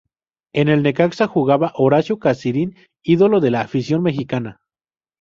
En el Necaxa, jugaba Horacio Casarín, ídolo de la afición mexicana.